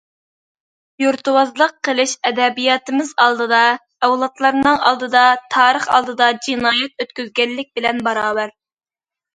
يۇرتۋازلىق قىلىش، ئەدەبىياتىمىز ئالدىدا، ئەۋلادلارنىڭ ئالدىدا، تارىخ ئالدىدا جىنايەت ئۆتكۈزگەنلىك بىلەن باراۋەر.